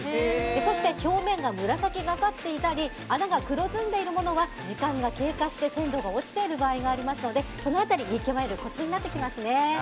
そして表面が紫がかっていたり穴が黒ずんでいるものは時間が経過して鮮度が落ちている場合がありますのでその辺り見極めるコツになってきますね。